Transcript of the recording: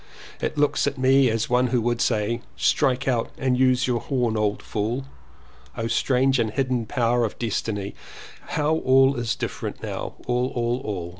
It looks at me as one who would say, 'Strike out and use your horn old fool.' O strange and hidden power of Destiny, how all is different now, all, all, all.